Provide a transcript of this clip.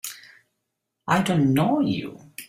I don't know you!